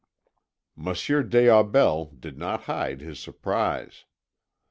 Monsieur des Aubels did not hide his surprise.